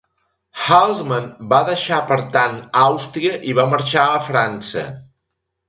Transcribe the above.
Halsman va deixar per tant Àustria i va marxar a França.